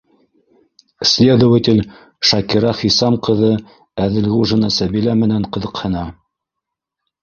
Следователь Шакира Хисам ҡыҙы Әҙелғужина Сәбилә менән ҡыҙыҡһына.